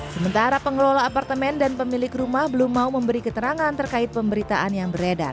sementara pengelola apartemen dan pemilik rumah belum mau memberi keterangan terkait pemberitaan yang beredar